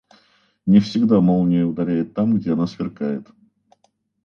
Не всегда молния ударяет там, где она сверкает.